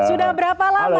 sudah berapa lama